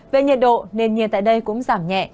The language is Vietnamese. về nhiệt độ nền nhiệt tại đây cũng giảm nhẹ